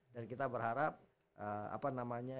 dan kita berharap apa namanya